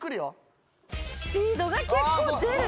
スピードが結構出る。